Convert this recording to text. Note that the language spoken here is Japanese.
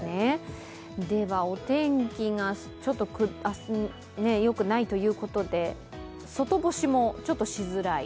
ではお天気が明日、よくないということで、外干しもちょっとしづらい。